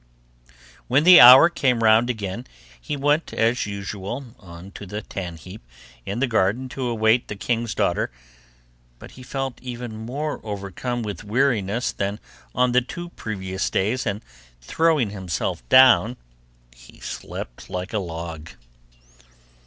When the hour came round again he went as usual on to the tan heap in the garden to await the king's daughter, but he felt even more overcome with weariness than on the two previous days, and throwing himself down, he slept like a log.